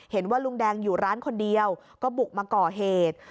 ลุงแดงอยู่ร้านคนเดียวก็บุกมาก่อเหตุ